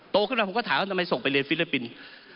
ขึ้นมาผมก็ถามว่าทำไมส่งไปเรียนฟิลิปปินส์